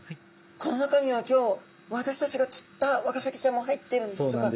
この中には今日私たちが釣ったワカサギちゃんも入ってるんでしょうか。